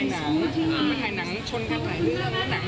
อยากรับรีวิว